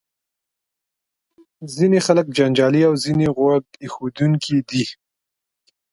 ځینې خلک جنجالي او ځینې غوږ ایښودونکي دي.